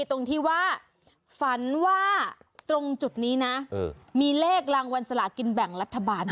ตรงที่ว่าฝันว่าตรงจุดนี้นะมีเลขรางวัลสลากินแบ่งรัฐบาล